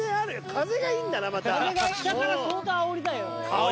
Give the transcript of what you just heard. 風が下から相当あおりだよ。